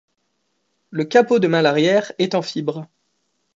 Le capot de malle arrière est en fibres.